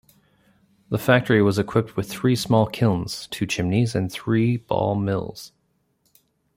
The factory was equipped with three small kilns, two chimneys and three ball mills.